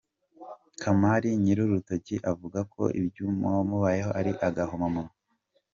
Kamali nyir’urutoki avuga ko ibyamubayeho ari agahomamunwa.